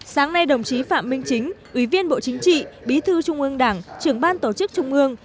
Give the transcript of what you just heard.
sáng nay đồng chí phạm minh chính ủy viên bộ chính trị bí thư trung ương đảng trưởng ban tổ chức trung ương